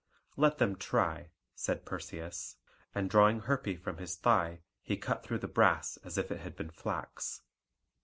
"Let them try," said Perseus; and drawing Herpe from his thigh, he cut through the brass as if it had been flax.